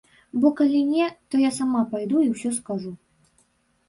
Бо калі не, то я сама пайду і ўсё скажу.